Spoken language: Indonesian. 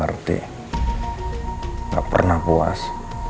saya tidak pernah puas